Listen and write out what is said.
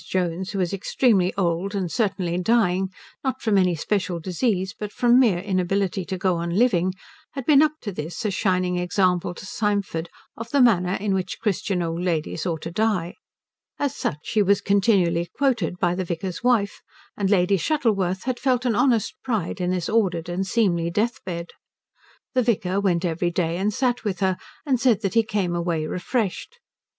Jones, who was extremely old and certainly dying not from any special disease but from mere inability to go on living had been up to this a shining example to Symford of the manner in which Christian old ladies ought to die. As such she was continually quoted by the vicar's wife, and Lady Shuttleworth had felt an honest pride in this ordered and seemly death bed. The vicar went every day and sat with her and said that he came away refreshed. Mrs.